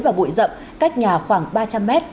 và bụi rậm cách nhà khoảng ba trăm linh mét